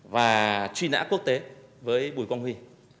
và truy nã quốc tế với bùi quang huy